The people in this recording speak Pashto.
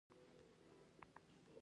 او نه هم کوم ارزښت ورکړل شوی وو.